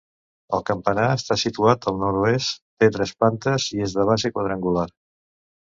El campanar està situat al nord-oest, té tres plantes i és de base quadrangular.